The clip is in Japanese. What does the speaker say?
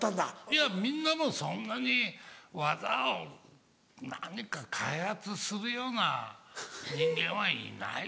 いやみんなもうそんなに技を何か開発するような人間はいない。